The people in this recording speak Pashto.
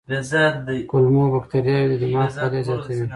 کولمو بکتریاوې د دماغ فعالیت زیاتوي.